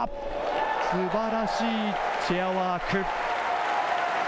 すばらしいチェアワーク。